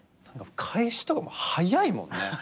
返しとかも早いもんね。